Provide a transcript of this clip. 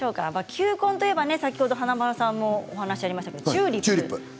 球根といえば華丸さんもお話にありましたがチューリップ。